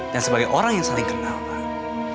dan sebagai orang yang saling kenal pak